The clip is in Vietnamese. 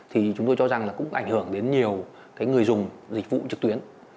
thì chúng tôi cho rằng là cũng ảnh hưởng đến nhiều người dùng dịch vụ trực tuyến